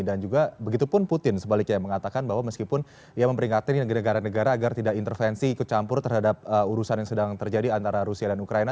dan juga begitu pun putin sebaliknya mengatakan bahwa meskipun dia memberi ingatan negara negara agar tidak intervensi ikut campur terhadap urusan yang sedang terjadi antara rusia dan ukraina